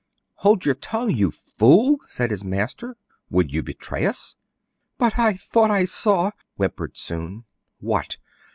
Hold your tongue, you fool !" said his master. " Would you betray us ?*'But I thought I saw *'— whimpered Soun. "What?"